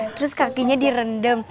terus kakinya direndam